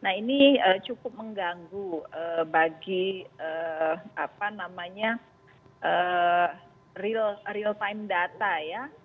nah ini cukup mengganggu bagi real time data ya